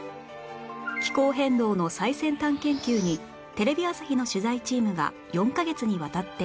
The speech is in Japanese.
気候変動の最先端研究にテレビ朝日の取材チームが４カ月にわたって密着